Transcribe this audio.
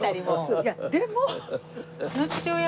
いやでも。